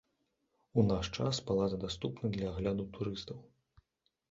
У наш час палац даступны для агляду турыстаў.